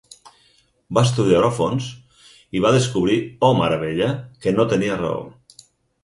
Va estudiar-ho a fons i va descobrir –oh, meravella– que no tenia raó.